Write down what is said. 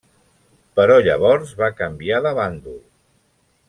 Però llavors va canviar de bàndol.